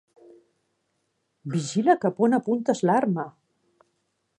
Vigila cap a on apuntes l'arma!